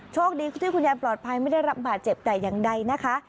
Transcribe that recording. โชคดีที่คุณยายปลอดภัยไม่ได้รับบาดเจ็บแต่อย่างใดนะคะ